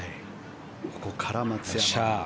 ここから松山。